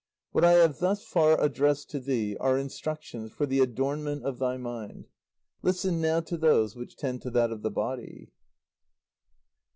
"What I have thus far addressed to thee are instructions for the adornment of thy mind; listen now to those which tend to that of the body."